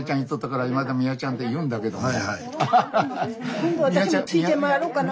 今度私もついて回ろうかな。